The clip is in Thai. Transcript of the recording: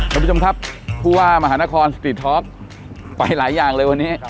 สวัสดีคุณผู้ว่ามหานครสตรีท็อปไปหลายอย่างเลยวันนี้